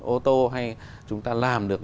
ô tô hay chúng ta làm được